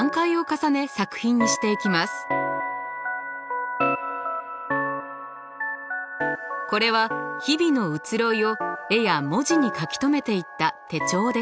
これは日々の移ろいを絵や文字に描き留めていった手帳です。